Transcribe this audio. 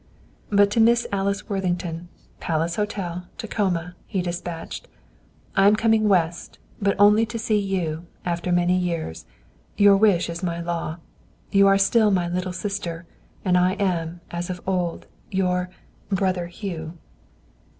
But to Miss Alice Worthington, Palace Hotel, Tacoma, he dispatched: "I am coming West, but only to see you, after many years. Your wish is my law. You are still my 'Little Sister,' and I am, as of old, your "BROTHER HUGH."